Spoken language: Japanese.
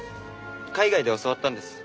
海外で教わったんです。